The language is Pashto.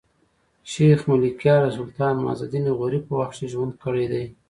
شېخ ملکیار د سلطان معز الدین غوري په وخت کښي ژوند کړی دﺉ.